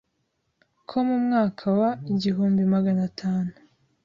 ko mu mwaka wa igihumbi magana tanu